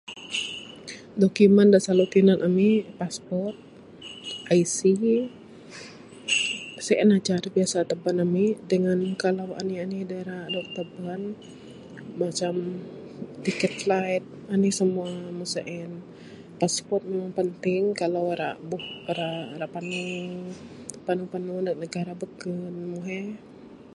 Document da silalu tinan ami passport, IC, sien aja da biasa taban ami kalau anih anih da ra dog taban macam tiket flight anih semua meng sien passport ne penting kalau ra ra panu, panu panu neg negara beken meng he.